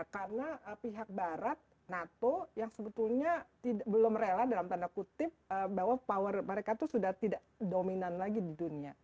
karena pihak barat nato yang sebetulnya belum rela dalam tanda kutip bahwa power mereka itu sudah tidak dominan lagi di dunia